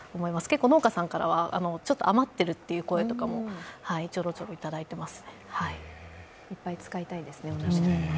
結構、農家さんからはちょっと余っているという声もちょろちょろいただいています。